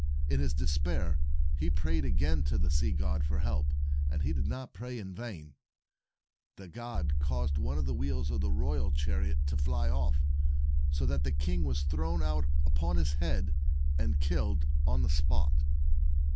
In his despair he prayed again to the sea god for help, and he did not pray in vain. The god caused one of the wheels of the royal chariot to fly off, so that the king was thrown out upon his head, and killed on the spot.